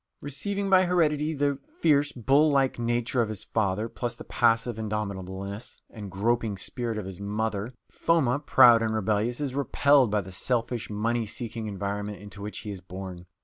Receiving by heredity the fierce, bull like nature of his father plus the passive indomitableness and groping spirit of his mother, Foma, proud and rebellious, is repelled by the selfish, money seeking environment into which he is born.